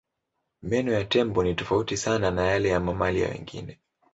Meno ya tembo ni tofauti sana na yale ya mamalia wengine.